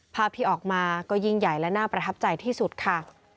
ภาพที่ออกมาก็ยิ่งใหญ่และน่าประทับใจที่สุดค่ะ